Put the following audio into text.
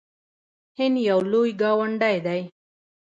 هند یو لوی ګاونډی دی.